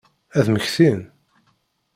Ad mmektin?